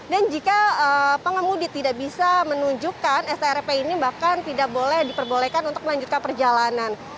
dan jika pengemudi tidak bisa menunjukkan strp ini bahkan tidak boleh diperbolehkan untuk melanjutkan perjalanan